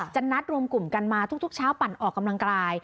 นัดรวมกลุ่มกันมาทุกเช้าปั่นออกกำลังกาย